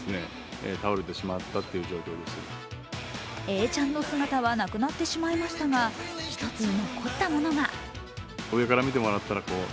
永ちゃんの姿はなくなってしまいましたが、一つ残ったものが。